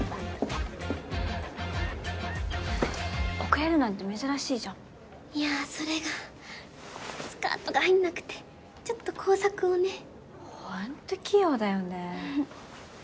遅れるなんて珍しいじゃんいやそれがスカートが入んなくてちょっと工作をねホント器用だよね